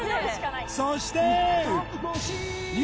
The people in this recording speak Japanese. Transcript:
そして！